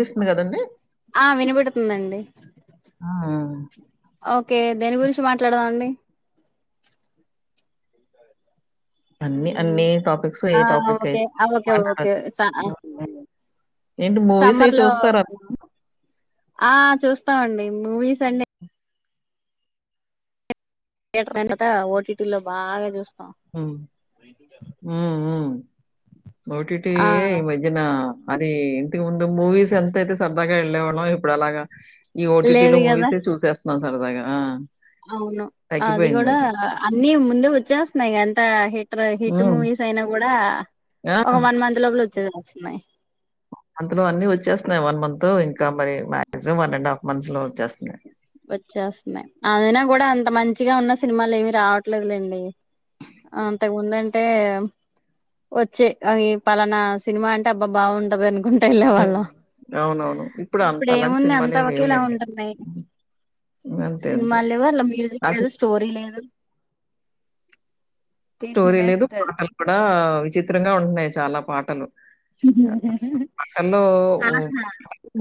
వినిపిస్తుంది కదండి ఆ వినబడుతుందండి. ఆ! ఓకే దేని గురించి మాట్లాడ్దాం అండి. అన్ని అన్ని మ్ టాపిక్స్ ఏ ఆ టాపిక్ ఓకే అయితే ఆ ఓకే ఓకే మాట్లాడొచ్చు. స అ హ్మ్. ఏంటి మూవీస్ అయి సమ్మర్లో చూస్తారా? ఆ చూస్తామండి మూవిస్ అండి థియోటర్లో ఇంకా ఓటీటిలో బాగా చూస్ మ్ మ్ ఉమ్ ఆ ఓటిటీయే ఈ మధ్యనా అది ఇంతకు ముందు మూవీస్ ఎంత అయితే సరదాగా ఎళ్ళేవాళ్ళమో ఇప్పుడు అలాగా ఈ లేదు ఓటీటీలో కదా మూవీసే చూసేస్తున్నాం సరదాగా ఆ అవును. అది గూడా తగ్గిపోయిందది. అన్నీ ముందే వచ్చేస్తున్నాయ్ ఎంత హె ట్ర హిట్ హ్మ్. మూవీస్ అయినా గుడా ఆ! ఒక వన్ మంత్ లోపల వచ్చేస్తున్నయి. అంతలో అన్ని వచ్చేస్తున్నాయి. వన్ మంతు ఇంకా మరి మాక్సిమం వన్ అండ్ హాఫ్ మంత్స్లో వచ్చేస్తున్నాయి. వచ్చేస్తున్నాయ్ అయిన గుడా అంత మంచిగా ఉన్న సినిమాలు ఏవి రావట్లేదు లెండి. అంతక్ ముందంటే ఒచ్చె అవి పలానా సినిమా అంటే అబ్బా బాగుంటదని ఉంట ఎల్లే హ్మ్. వాళ్ళం అవునవును. ఇప్పుడు అంత ఇప్పుడ్ అలాంటి ఏముంది అంత సినిమాలేమి ఒకేలా లేవులెండి. ఉంటున్నయ్ అంతే అంతే. సినిమాల్ లేవు అన్ల మ్యూజిక్ లేదు అసలు స్టోరీ లేదు. స్టోరీ తీసిందే లేదు పాటల్ కూడా విచిత్రంగా ఉన్నయ్ చాలా పాటలు. హలో ఆహా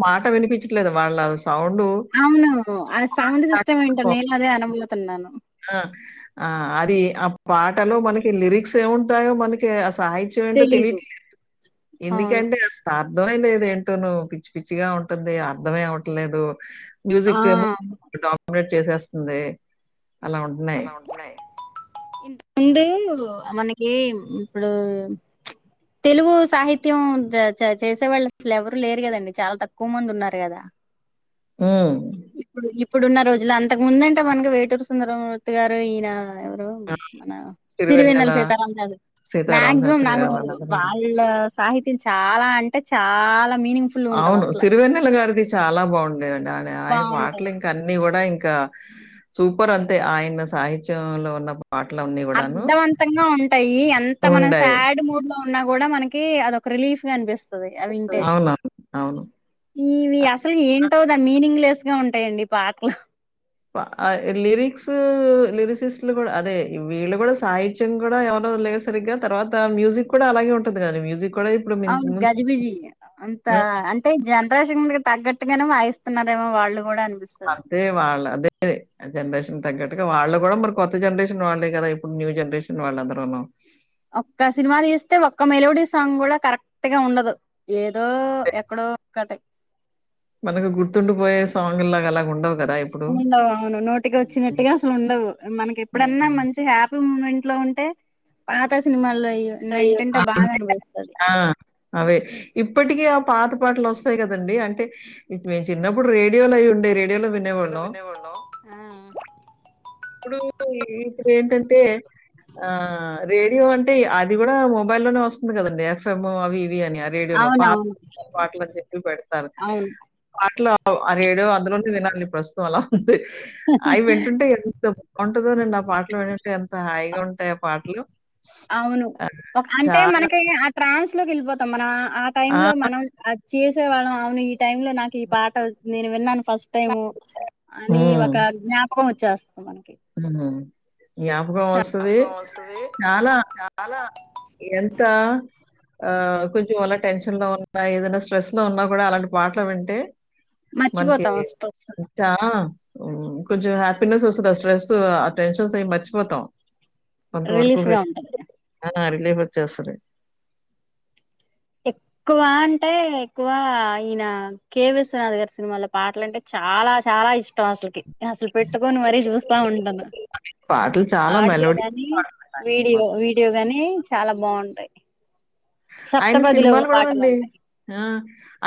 మాట వినిపించట్లేదు వాళ్ళ సౌండు అవును ఆ సౌండ్ సిస్టమ్ ఏంటొ నేను అదే అనబోతున్నాను. ఆ ఆ అది ఆ పాటలో మనకి లిరిక్స్ ఏముంటాయో మనకి అస [inaudible] ఏంటో తెలీదు తెలిట్లేదు అవును ఎందుకంటే ఆ స్తా [unintelligible] ఏంటోనో పిచ్చి పిచ్చిగా ఉంటుంది అర్ధమే అవ్వట్లేదు. ఆ మ్యూజిక్ ఏమో డామినేట్ చేసేస్తుంది. అలా ఉంటున్నాయి. అలా ఉంటున్నాయి. ఇంత ముందు మనకి ఇప్పుడు తెలుగు సాహిత్యం ద చ చేసే వాళ్ళు అసలు ఎవరు లేరు గదండి చాలా తక్కువ మంది ఉన్నారు గదా మ్ ఇప్పుడు ఇప్పుడున్న రోజుల అంతక్ ముందంటే మనకి వైటర్స్ ఉన్నరు మూర్తి గారు ఈయన ఎవరు మన సరివెన్నెల 'సిరివెన్నెల', సీతా రామ శాస్త్రి 'సీతారామ మాక్సిమం శాస్త్రి' నాకు గారు వాళ్ళందరూ వాళ్ళ సాహిత్యం చాలా అంటే చాలా... మీనింగ్ఫుల్ ఉంటది అవును. అసలు సిరివెన్నెల గారిది చాలా బాగుండే అండి ఆయన ఆయన బాగుంటది పాటలింక అన్ని గూ గుడా ఇంకా సూపర్ అంతే ఆయన సాహిత్యంలో ఉన్న పాటలన్నీ గూడాను అర్ధవంతంగా ఉంటాయి. ఎంత మనం ఉండాయి. సాడ్ మూడ్లో ఉన్నా గూడా మనకి అదొ క్రిలీఫ్గా అనిపిస్తది అ అనిపిస్తది. వింటే అవునవును. అవును. ఇవి అసల్ ఏంటో దాన్ మీనింగ్ లెస్గా ఉంటాయండి పాట్లు వా లిరిక్స్ లిరిసిస్ ట్లు గుడా అదే వీళ్ళు కూడా సాహిత్యం కూడా ఎవరు లేరు సరిగ్గా తర్వాత మ్యూజిక్ కూడా అలాగే ఉంటంది కదండీ మ్యూజిక్ కూడా ఇప్పుడు మిన్ అవున్ ముందు గజిబిజి అంతా అంటే జన్ ప్రెషన్ కీ తగ్గట్టుగానే వాయిస్తున్నారేమో వాళ్ళు కూడనే అంటే వాల్ అదే జనరేషన్ తగ్గట్టుగా వాళ్ళ కూడా మరి కొత్త జనరేషన్ వాళ్ళే కదా ఇప్పుడు న్యూ జనరేషన్ వాళ్ళందరూను ఒక్క సినిమా తీస్తే ఒక్క మెలోడీ సాంగ్ గూడా కరెక్ట్గా ఉండదు. ఏదో ఎక్కడో ఒక్కటే మనకి గుర్తుండి పోయే సాంగుల్లగా అలా ఉండవు కదా ఇప్పుడు. ఉండవు అవును హ్మ్. నోటికోచ్చినట్టుగా అసలు ఉండవు మనకి ఎప్పుడన్నా హ్మ్. మంచి హ్యాపీ మ్మ్ ఇంట్లో ఉంటే పాత సినిమాల్లో అయ్యో వింటుంటే అ బాగా అనిపిస్తది అ అవే ఇప్పటికి ఆ పాత పాటలు వస్తాయి కదండి అంటే మీ చిన్నప్పుడు రేడియోలో అయి ఉండే రేడియో వినేవాళ్ళం ఆ ఇప్పుడూ ఇప్పుడు ఏంటంటే ఆ రేడియో అంటే అది కూడా మొబైల్లోనే వస్తుంది కదండి ఎఫ్ఎం అవి అవి ఆ రేడియోలో పాత అవునవును పట్లని చెప్పి పెడతారు అవును అట్లా ఆ రేడియో అందులోనే విన మళ్ళీ ప్రస్తుతం అలా ఉంటే అవి వింటుంటే ఎంత బాగుంటదోనండి ఆ పాటలు వింటంటే ఎంత హాయి ఉంటాయి ఆ పాట్లు అవును అంటే మనకి ఆ ట్రాన్స్ లోకి వెళ్ళిపోతాం మనా ఆ టైంలో మనం అది చేసేవాళ్ళం ఆవని టైంలో నాకు ఈ పాట నేను విన్నాను ఫస్ట్ న టైము అని ఒక జ్ఞాపకం వచ్చేస్తది హ్మ్మ్ జ్ఞాపకం వస్తాది చాలా ఎంతా ఆ కొంచెం ఆలా టెన్షన్ లో ఉన్నా ఏదైనా స్ట్రెస్ లో ఉన్నా కూడా అలాంటి పాటలు వింటే మన్కి మర్చిపోతాం స్ట్రెస్ ఇంత కొంచెం హ్యాపీనెస్ వస్తది ఆ స్ట్రెస్ ఆ టెన్షన్స్ ఏం మర్చిపోతాం రిలీఫ్ గా ఉంటది అ రిలీఫ్ వచ్చేస్తది ఎక్కువ అంటే ఎక్కువ ఈన కె విశ్వనాథ్ గారి సినిమాలో పాటలు అంటే చ చాలా చాలా ఇష్టం అసలకి అసల్ పెట్టుకొని మరీ చూస్తా ఉంటాను పాటలు చాలా ఆడియో మెలోడీ గాని పాటలుంటాయి వీడియో మొత్తం. వీడియో గాని చాలా బాగుంటాయి ఆయనె సప్తపదిలో ఒక సినిమాలు పాటలు కూడానండి ఉంటాయి ఆ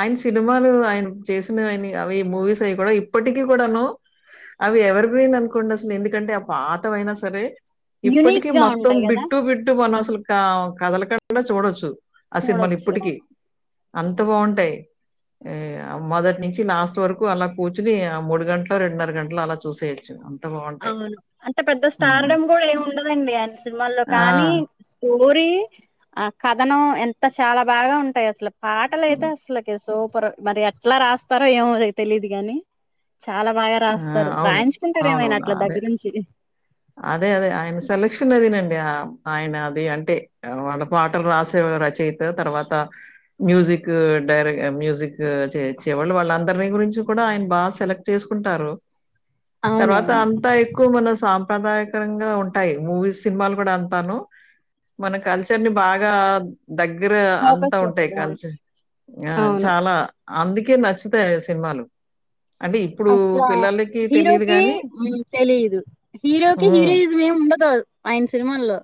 ఆయన సినిమాలు ఆయన చేసైనావ్వనీ అవి మూవీస్ అవి గూడా ఇప్పటికీ కూడాను అవి ఎవర్ గ్రీన్ అనుకోండి అసలు ఎందుకంటే ఆ పాతవైనా సరే ఇప్పటికి యునిక్ గా మొత్తం ఉంటాయి కదా బిట్టు బిట్టు మనం అసల్ కా కదలకుండా చూడొచ్చు ఆ సినిమాల్ చూడొచ్చు ఇప్పటికి అంత బాగుంటాయి ఏ మొదటి నుంచి లాస్ట్ వరకు అలా కూర్చుని అ మూడు గంటలో రెండున్నర గంటలో అలా చూసేయొచ్చు బావుంటాయి. అవును అంత పెద్ద హ్మ్. స్టార్డం కూడా ఏమి ఉండదండి అనే సినిమాల్లో ఆ! కానీ స్కు స్టోరీ ఆ కథనం ఎంత చాలా బాగా ఉంటాయి అసలు పాటలైతే అసలకె సో పారు మరి ఎట్లా రాస్తారో ఏమోలే తెలిదు గాని చాలా బాగా ఆ రాస్తారు అవును. రాయించుకుంటారు ఏమైనా అవునవును. అట్లా అదే. దగ్గరుంచి అదే అదే ఆయన సెలక్షన్ అదేనండి ఆ ఆయనది అంటే వాళ్ళ పాటలు రాసేవా రచేయిత తర్వాత మ్యూజిక్ డైర మ్యూజిక్ చేచ్చేవాళ్ళు వాళ్ళందరినీ గురించి కూడా ఆయన బాగ సెలెక్ట్ చేసుకుంటారు తర్వాత అవునవును అంత ఎక్కువ మనం సామ్ సాప్రదాయకరంగా ఉంటాయి మూవీస్ సినిమాలు కూడా అంతాను మన కల్చర్ని బాగా దగ్గర అంతా ఫోకస్ ఉంటాయి చేస్తడు అవును కల్చి ఆ అవును చాలా అందుకే నచ్చుతాయి ఆయన సినిమాలు అంటే ఇప్పుడు అస్లా పిల్లలకి తెలీదు హీరోకి గానీ మ్ తెలీదు హీరోకి హ్మ్. హీరోయిజం ఏమి ఉండదు ఆయన సినిమాల్లో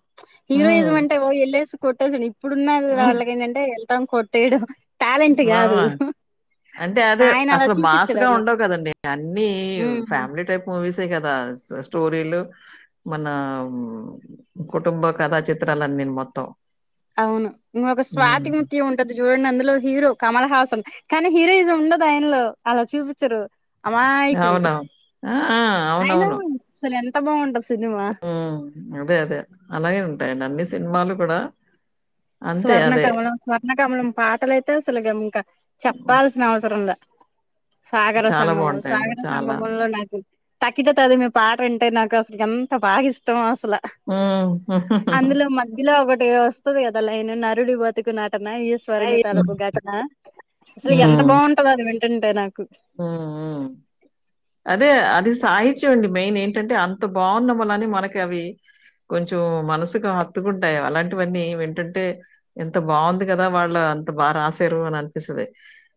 హ్మ్. హీరోయిజం అంటే ఓ ఎళ్ళేస్ కొట్టేసుని ఇప్పుడున్న హ్మ్. వాళ్ళకి ఏంటంటే ఎలటం కొట్టేయడం టాలెంట్ ఆ కాదు అంటే అదే ఆయన అలా అసలు మాస్ చూపించడు గా అన్నట్టు ఉండవు కాదండి అన్నీ ఉమ్, ఫ్యామిలీ టైప్ మూ మూవీసే కదా స్ స్టోరీలు మన కుటుంబ కథా చిత్రాలు లంనిన్ మొత్తం అవును ఇంగొక స్వాతి హ్మ్. ముత్యం ఉంటది చూడండి అందులో హీరో కమల్ హాసన్ కాని హీరోయిజం ఉండదు ఆయనలో అలా చూపిచ్చరు అమాయకుడు అవునవును. ఆ! ఆ! అయిన అస్సల్ ఎంత బాగుంటది సినిమా ఉహ్ అదే అదే అలాగే ఉంటాయండి అన్ని సినిమాలు కూడా అంతే స్వర్ణ అదే. కమలం స్వర్ణ కమలం పాటలు ఐతే అసలు ఇగ ఇంకా చెప్పాల్సిన అవసరంలె సాగర చాలా సంగము బావుంటాయండి. సాగర చాలా. సంగంలో నాకు తకిట తదిమి పాట అంటే నాకు అసలుకి ఎంత బాగా ఇష్టమో అస్ సలా హ్మ్. అందులో మధ్యలో ఒకటి వస్తది కద లైను నరుడి బతికు న టన ఈశ్వరుని అయి తలపు హ్మ్. ఘట్న అసలు ఎంత బాగుంటదొ అది వింటుంటే నాకు ఉమ్ ఊ అదే అది సాహిత్చం అండి మెయిన్ ఏంటంటే అంత బాగున్న [unintelligible] మనకి అవి కొంచు మనసుకు హత్తుకుంటాయి అలాంటివన్నీ వింటుంటే ఎంత బాగుంది కదా వాళ్ళ ఎంత బా రాసారు అని అనిపిస్తది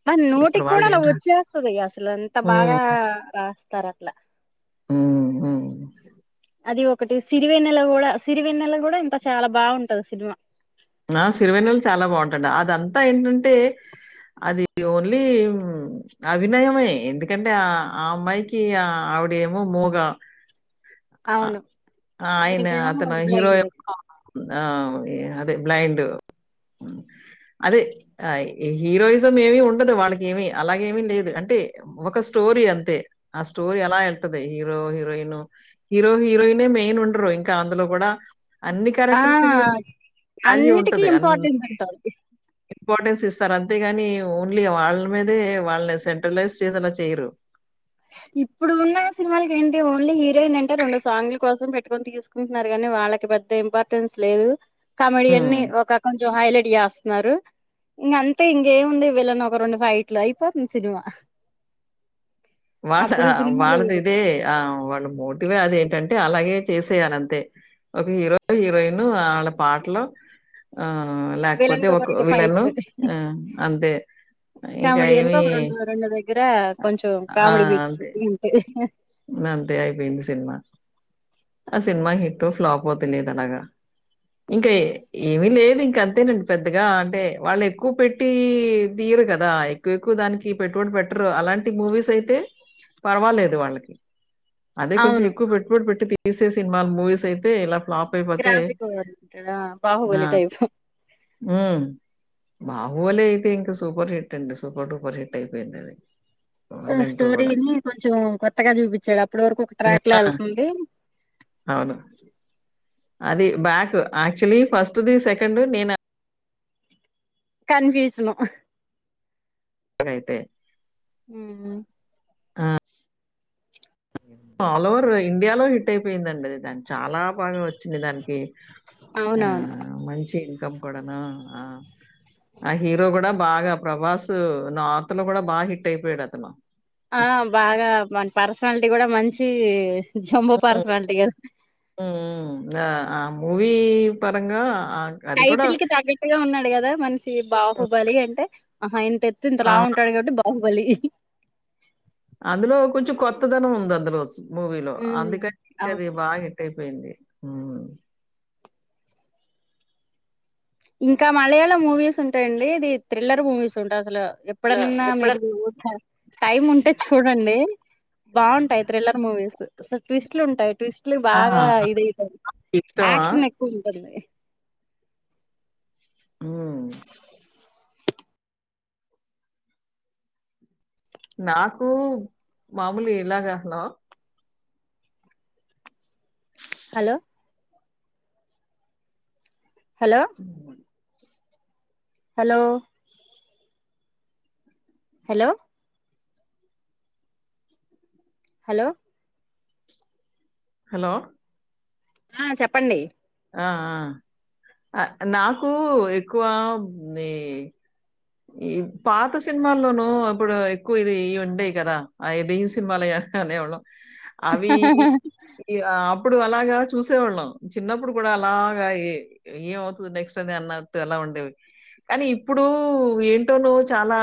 మన్ ఇప్పుడు నోటికుడా అలా వాళ్ళేంట వచ్చేస్తది అసలు ఎంత హ్మ్. బాగా రాస్తారు అట్ల ఉఊ అది ఒకటి సిరివెన్నెల గూడ సిరివెన్నెల గూడ ఇంత చాల బాగుంటది సినిమా నాదంతా ఇంటుంటే అది ఓన్లీ అవినయమే ఎందుకంటే ఆ ఆ అమ్మాయికి ఆ అవడేమో మూగా అ అవును ఆయిన ఈయనకేమో అతన హీరో బ్లైండ్ ఏమో ఆ ఇ అదె బ్లైండ్ అదె అయి హీరోయిజం ఏమి ఉండదు వాళ్ళకి ఏమి అలాగేమి లేదు అంటే ఒక స్టోరీ అంతే ఆ స్టోరీ ఎలా ఎళ్తది హీరో హీరోయిను హీరో హీరోయినే మెయిన్ ఉండరు ఇంకా అందులో గూడా అన్ని క్యారెక్టర్సులు అన్నిటికిీ ఇంపార్టెన్స్ ఉంటాది ఇంపార్టెన్స్ ఇస్తారు అంతేగాని ఓన్లీ వాళ్ళ మీదే వాల్ని సెంట్రలైజ్ చేసేలా చేయరు ఇప్పుడు ఉన్న సిన్మాలకేంటి ఏంటి ఓన్లీ హీరోయిన్ అంటే రెండు సాంగ్ల కోసం పెట్టుకొని తీస్కంటున్నారు గానీ వాళ్ళకి పెద్ద ఇంపార్టెన్స్ లేదు హ్మ్. కమీడియన్ని ఒక కొంచెం హైలైట్ చేస్తన్నారు ఇంగ అంతే ఇంకేముంది వీళ్ళన్ ఒక రొండు ఫైట్లు అయిపోతుంది సినిమా వాళ్ళ అప్పుడు సినిమాలు వాళ్ళది ఇదే ఆ వాళ్ళ మోటివే అది ఏంటన్ టే అలాగే చేసేయాలంతే ఒక హీరొ హీరోయిన్ ఆళ్ళ పాట్లో ఆ లేకపోతే విలన్ కి ఒక రెండు విలను ఆ అంతే ఇంకా కామిడీయన్ ఏమి ఒక రెండు రెండు దగ్గర కొంచెం కామెడీ బీట్స్ గింతే ఉ అంతే అయిపొయింది సిన్మా ఆ సినిమా హిటొ ఫ్లాపో తెలిదు అలాగా ఇంక ఏమి లేదు ఇంక అంతేనండి పెద్దగా అంటే వాళ్ళు ఎక్కువ పెట్టీ ది రు కదా ఎక్కువ ఎక్కువ దానికి పెట్టుబడి పెట్రు అలాంటి మూవీస్ అయితే పర్వాలేదు వాళ్ళకి అదె కొంచెం అవును ఎక్కువ పెట్బడి పెట్టి తీసే సినిమాలు మూవీస్ అయితే ఇలా ఫ్లాప్ అయిపొతే గ్రాఫిక్ ఓవర్ ఆ బాహుబలి టైప్ ఊ బాహుబలి అయితే ఇంక సూపర్ హిట్ అండి సూపర్ డూపర్ హిట్ అయిపోయింది అది ఆ అండ్ కూడా. స్టోరీని కొంచెం కొత్తగా చూపిచ్చాడు అప్పటి వరకు ఒక ట్రాక్ ల ఆ! ఎళ్తుంది అవును అది బ్యాక్ యాక్టుల్ల్య్ ఫస్టుది సెకండ్ నేను కన్ఫ్యూజను అయితే ఉ ఉ ఆల్ ఓవర్ ఇండియాలో హిట్ అయిపోయిందండి దాన్ని చాలా బాగా వ వచ్చిన దానికి ఆ అవునవును మంచి ఇన్కమ్ కూడాను ఆ ఆ హీరో కూడా బాగా ప్రభాస్సు నార్త్ లో కూడా బా హిట్ అయిపోయాడు అతను ఆ హ్మ్. బాగా వాని పర్సనాలిటీ కూడా మంచీ జంబో పర్సనాలిటీ కదా ఉమ్ ఆహ్ ఆ మూవీ పారంగా టైటిల్ కి తగ్గట్టుగా ఉన్నాడు కదా మనిషి బాహుబలి అంటే ఆహం ఇంత ఎత్తు ఇంత ఆ! లావు ఉంటాడు కాబట్టి బాహుబలి అందులో కొంచెం కొత్తదనం ఉంది అందులో స్ మూవీలో ఉమ్ అందుకని ఇంక అవును అది బాగా హిట్ అయిపోయింది ఉమ్ ఇంకా మలయాళం మూవీస్ ఉంటాయండి ఇది థ్రిల్లర్ మూవీస్ ఉంటాయి అసలు అసల ఎప్పుడన్నా ఎప్పుడన్ మీరుగు ట టైం ఉంటే చూడండి బాగుంటాయి థ్రిల్లర్ మూవీస్ అసలు ట్విస్ట్ లు ఉంటాయి ట్విస్ట్ లు ఆ! బాగా ఇదైతరు మీకిష్టమా? యాక్షన్ ఎక్కువ ఉంటది వే ఉమ్మ్ నాకు మామూలే ఇలాగా hello hello hello hello hello hello hello ఆ చెప్పండి ఆ అ నాకు ఎక్కువ ఇది ఈ పాత సినిమాల్లోనూ ఇప్పుడు ఎక్కువ ఇది ఈ ఉంటాయి కదా ఆయే ఢి సినిమాలై అ హ అనేవాళ్ళం అవి ఆ అప్పుడు అలాగా చూసేవాళ్ళం చిన్నప్పుడు కూడా అలాగా ఏ-ఏమ అవుతాది నెక్స్ట్ అనే అన్నట్టు అలా ఉండేవి కానీ ఇప్పుడూ ఏంటోను చాలా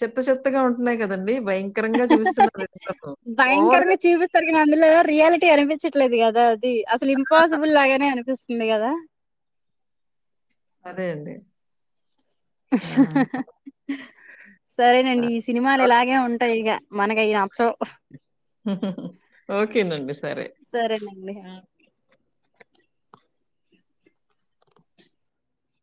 చెత్త చెత్తగా ఉంటున్నాయి కదండి ఓవర్‌గా భయంకరంగా చూపిస్తారు కానీ అందులో రియాలిటీ టి అనిపించట్లేదు కదా అది అసలు ఇంపాసిబుల్ లాగానే అనిపిస్ ఉంది కదా అదే అండి ఆ! ఆ! సరేనండి ఈ సినిమాలు ఇలాగే ఉంటాయి ఇగా మనకి అయి నచ్చావ్ ఓకేనండి సరే సరేనండి ఆ